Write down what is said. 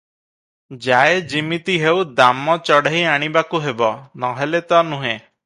ଯାଏ ଯିମିତି ହେଉ ଦାମ ଚଢ଼େଇ ଆଣିବାକୁ ହେବ, ନ ହେଲେ ତ ନୁହେଁ ।